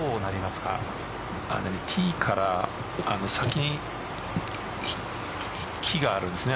ティーから先に木があるんですね。